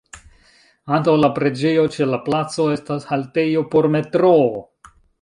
Antaŭ la preĝejo ĉe la placo estas haltejo por metroo.